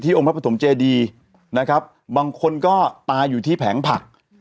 องค์พระปฐมเจดีนะครับบางคนก็ตายอยู่ที่แผงผัก